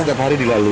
tiap hari dilalui